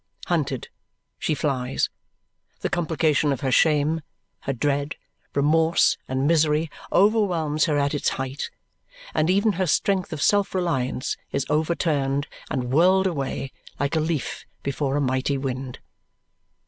Hunted, she flies. The complication of her shame, her dread, remorse, and misery, overwhelms her at its height; and even her strength of self reliance is overturned and whirled away like a leaf before a mighty wind.